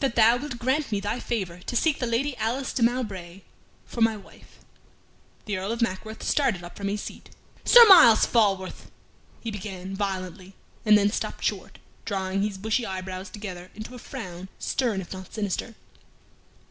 "That thou wilt grant me thy favor to seek the Lady Alice de Mowbray for my wife." The Earl of Mackworth started up from his seat. "Sir Myles Falworth" he began, violently, and then stopped short, drawing his bushy eyebrows together into a frown stern, if not sinister.